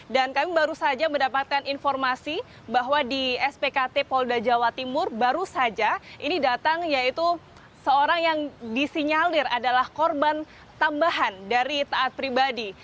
dan kami baru saja mendapatkan informasi bahwa di spkt polda jawa timur baru saja ini datang yaitu seorang yang disinyalir adalah korban tambahan dari taat pribadi